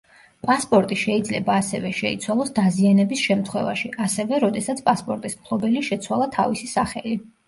პასპორტი შეიძლება ასევე შეიცვალოს დაზიანების შემთხვევაში, ასევე, როდესაც პასპორტის მფლობელი შეცვალა თავისი სახელი.